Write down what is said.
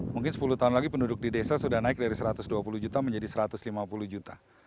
mungkin sepuluh tahun lagi penduduk di desa sudah naik dari satu ratus dua puluh juta menjadi satu ratus lima puluh juta